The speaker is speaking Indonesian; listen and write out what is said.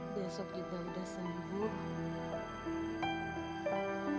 besok juga udah sempurna